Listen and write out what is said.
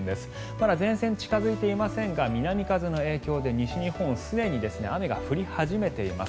まだ前線、近付いていませんが南風の影響で西日本すでに雨が降り始めています。